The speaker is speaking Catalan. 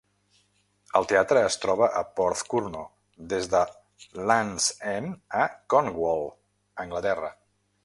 El teatre es troba a Porthcurno, des de Land's End a Cornwall, Anglaterra.